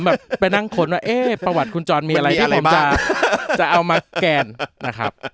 แบบไปนั่งขนว่าเอ๊ะประวัติคุณจรมีอะไรอะไรบ้างจะเอามาแกนนะครับ